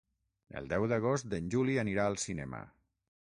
El deu d'agost en Juli anirà al cinema.